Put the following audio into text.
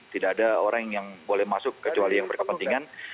tidak ada orang yang boleh masuk kecuali yang berkepentingan